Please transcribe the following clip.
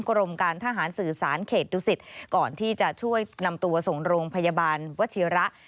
กรมการทหารสื่อสารเขตดุสิตก่อนที่จะช่วยนำตัวส่งโรงพยาบาลวชิระ